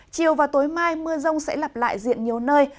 chiều và tối mai mưa rông sẽ lặp lại diện nhiều nơi